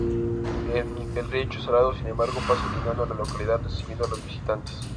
El Riacho Salado sin embargo pasa lindando la localidad recibiendo a los visitantes.